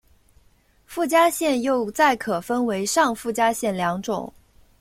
附加线又再可分为上附加线两种。